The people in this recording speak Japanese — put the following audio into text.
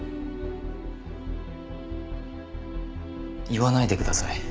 言わないでください。